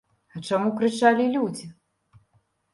А чаму крычалі людзі?